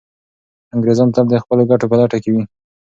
انګریزان تل د خپلو ګټو په لټه کي وي.